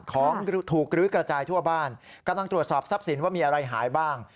ของถูกลื้อกระจายทั่วบ้านกำลังตรวจสอบทรัพย์สินว่ามีอะไรหายบ้าง